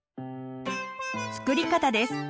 作り方です。